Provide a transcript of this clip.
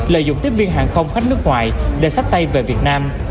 lợi dụng tiếp viên hàng không khách nước ngoài để sách tay về việt nam